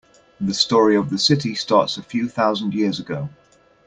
The story of the city starts a few thousand years ago.